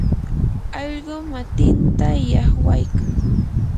allqu matinta llaqwaykan.